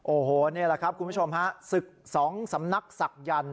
โอ้โหนี่แหละครับคุณผู้ชมฮะศึกสองสำนักศักดิ์